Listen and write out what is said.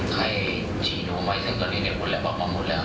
ใครฉีดวงไหมซึ่งตอนนี้เนี่ยคุณแหละบอกมาหมดแล้ว